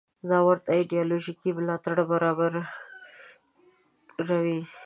دا ورته ایدیالوژیکي ملاتړ برابروي.